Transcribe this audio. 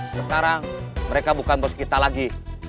sekarang mereka bukan bos kita lagi